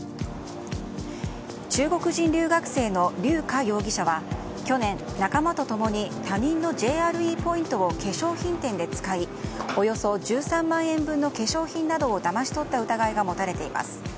中国人留学生のリュウ・カ容疑者は去年、仲間と共に他人のＪＲＥポイントを化粧品店で使いおよそ１３万円分の化粧品などをだまし取った疑いが持たれています。